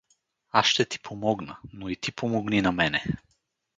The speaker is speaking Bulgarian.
Аз ще ти помогна, но и ти помогни на мене.